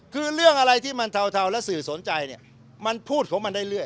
คือเรื่องอะไรที่มันเทาและสื่อสนใจเนี่ยมันพูดของมันได้เรื่อย